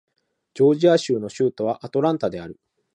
ジョージア州の州都はアトランタである